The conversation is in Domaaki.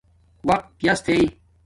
وقت یاس تھݵ